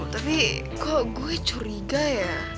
tapi kok gue curiga ya